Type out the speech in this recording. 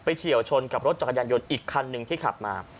เฉียวชนกับรถจักรยานยนต์อีกคันหนึ่งที่ขับมา